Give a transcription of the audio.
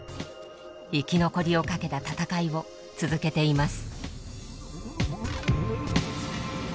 生き残りをかけた闘いを続けています。